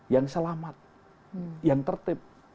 yang selamat yang tertib